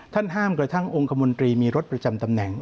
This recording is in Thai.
ห้ามกระทั่งองค์คมนตรีมีรถประจำตำแหน่ง